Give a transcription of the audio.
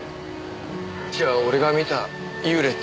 じゃあ俺が見た幽霊って。